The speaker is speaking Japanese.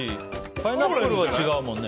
パイナップルは違うもんね。